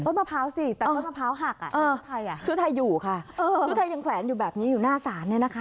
มะพร้าวสิแต่ต้นมะพร้าวหักอ่ะคือไทยอยู่ค่ะคือไทยยังแขวนอยู่แบบนี้อยู่หน้าศาลเนี่ยนะคะ